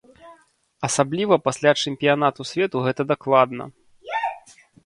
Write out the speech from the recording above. Асабліва пасля чэмпіянату свету гэта дакладна.